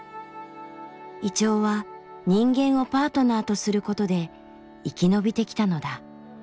銀杏は人間をパートナーとすることで生き延びてきたのだ。